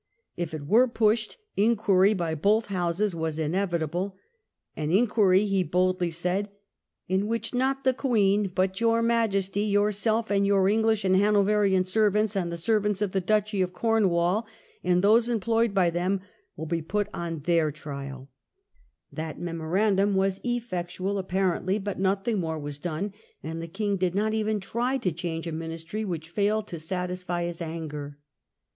If it were pushed, inquiry by both Houses was inevitable, " an inquiry," he boldly said, " in which not the Queen, but your Majesty your self, and your English and Hanoverian servants, and the servants of the Duchy of Cornwall, and those employed by them, will be put on their trial" That memorandum was effectual apparently, for nothing more was done, and the King did not even try to change a Ministry which failed to satisfy his anger.